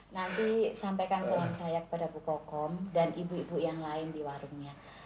nanti sampaikan salam saya kepada bu kokom dan ibu ibu yang lain di warungnya